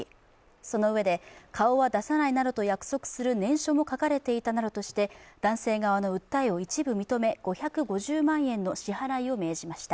そのうえで、顔は出さないなどと約束する念書も書かれていたなどとして男性側の訴えを一部認め５５０万円の支払いを命じました。